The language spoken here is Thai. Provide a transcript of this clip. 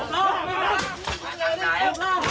ตั้งปลา